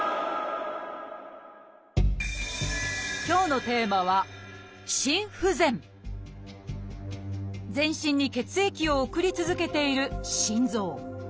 今日のテーマは全身に血液を送り続けている心臓。